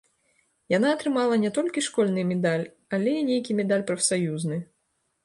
Яна атрымала не толькі школьны медаль, але і нейкі медаль прафсаюзны.